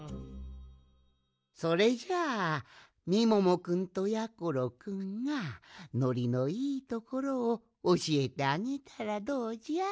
それじゃあみももくんとやころくんがのりのいいところをおしえてあげたらどうじゃ？